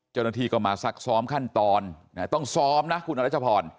เจ้าหน้าที่ก็มาซักซ้อมขั้นตอนต้องซ้อมนะคุณอรัชพร